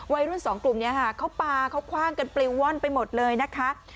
วัยรุ่น๒กลุ่มค่ะเขาปล่าเขาคว่างกันบริวอนด์ไปหมดเลยนะคะ